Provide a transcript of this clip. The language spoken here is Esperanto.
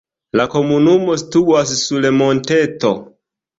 La komunumo situas sur monteto.